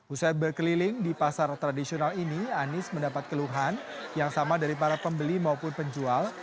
usai berkeliling di pasar tradisional ini anies mendapat keluhan yang sama dari para pembeli maupun penjual